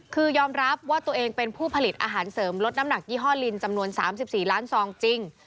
คือยอมรับว่าตัวเองเป็นผู้ผลิตอาหารเสริมลดน้ำหนักยี่ห้อลินจำนวน๓๔ล้านซองจริง